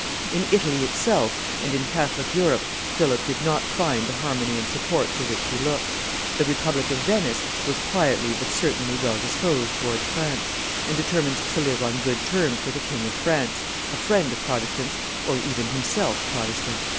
In Italy itself and in Catholic Europe Philip did not find the harmony and support for which he looked. The republic of Venice was quietly but certainly well disposed towards France, and determined to live on good terms with a King of France, a friend of Protestants or even himself Protestant.